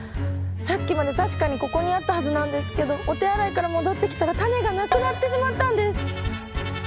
さっきまで確かにここにあったはずなんですけどお手洗いから戻ってきたらタネがなくなってしまったんです！